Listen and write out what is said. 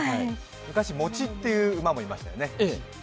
昔、モチという馬もいましたよね。